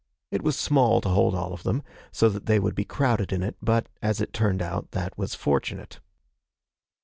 It was small to hold all of them, so that they would be crowded in it, but, as it turned out, that was fortunate.